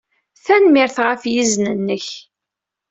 Tanemmirt ɣef yizen-nnek.